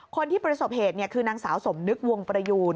คนที่ประสบเหตุคือนางสาวสมนึกวงประยูน